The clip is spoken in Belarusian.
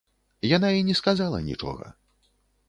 Яна і не сказала нічога.